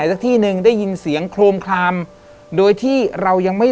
อเรนนี่อเรนนี่อเรนนี่อเรนนี่อเรนนี่